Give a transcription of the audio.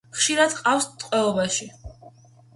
ხშირად ჰყავთ ტყვეობაში.